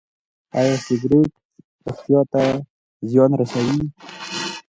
ایا سګرټ روغتیا ته زیان رسوي؟